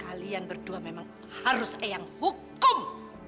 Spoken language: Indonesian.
kalian berdua memang harus eyang hukum